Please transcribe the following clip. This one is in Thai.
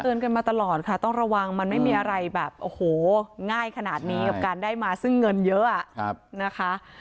กันมาตลอดค่ะต้องระวังมันไม่มีอะไรแบบโอ้โหง่ายขนาดนี้กับการได้มาซึ่งเงินเยอะนะคะ